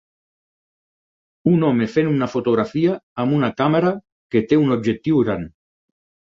Un home fent una fotografia amb una càmera que te un objectiu gran.